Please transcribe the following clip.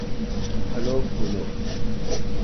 پھولو پھلو